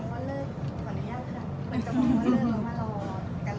หรือว่าคนจะมองว่าเลิกขออนุญาตค่ะ